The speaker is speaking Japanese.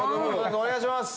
お願いします